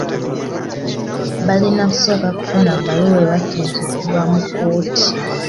Balina kusooka kufuna bbaluwa ebakkiriza okuva mu kkooti.